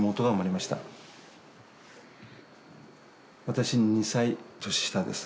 私より２歳年下です。